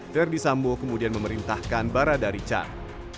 verdi sambo kemudian memerintahkan barada richard